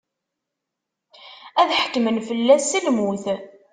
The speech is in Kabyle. Ad ḥekkmen fell-as s lmut.